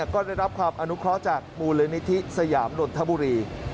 ก็ได้รับความอนุเคราะห์จากมูลนิธิสยามนนทบุรี